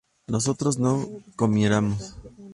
nosotros no comiéramos